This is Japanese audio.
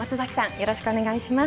よろしくお願いします。